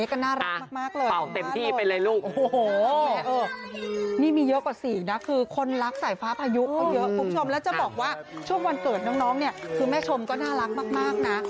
โอ้โหนี่มีเยอะกว่าสี่นะคือคนรักสายฟ้าพายุเยอะก็เยอะคุณผู้ชมและจะบอกว่าช่วงวันเกิดน้องเนี่ยคือแม่ชมก็น่ารักมากนะ